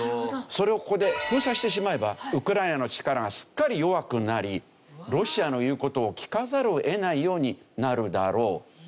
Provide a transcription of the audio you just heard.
それをここで封鎖してしまえばウクライナの力がすっかり弱くなりロシアの言う事を聞かざるを得ないようになるだろう。